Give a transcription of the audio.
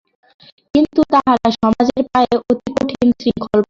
কিন্তু তাঁহারা সমাজের পায়ে অতি কঠিন শৃঙ্খল পরাইলেন।